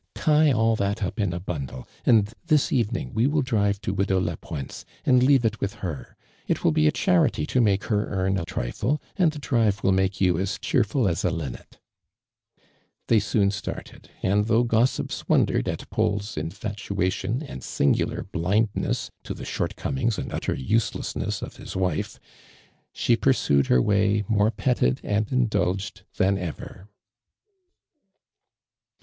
Tie all that up in a bundh; and this evening we will drive to widowLapointe's and leave it with her. I* will be a chaiity to make her earn a trifle iind the drive will make you as cheerful as a linnet.' They soon started, and though gossips wondered at Paul's infatuation and singular blindnes i to the shortcomings and utter uselessness of his wife, she pursued her way more petted and indulged than ever.